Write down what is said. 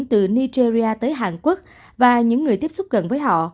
từ nigeria tới hàn quốc và những người tiếp xúc gần với họ